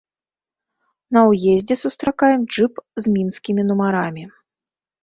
На ўездзе сустракаем джып з мінскімі нумарамі.